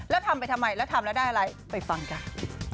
แล้วทำไปทำไมแล้วทำแล้วได้อะไรไปฟังกัน